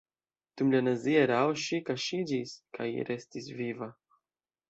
Dum la nazia erao ŝi kaŝiĝis kaj restis viva.